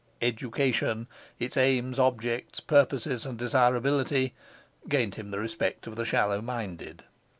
'Education: Its Aims, Objects, Purposes, and Desirability', gained him the respect of the shallow minded.